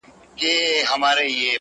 الاهو دي نازولي دي غوږونه؟ -